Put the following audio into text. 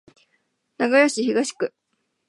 名古屋市東区